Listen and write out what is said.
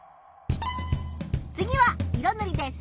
次は色ぬりです。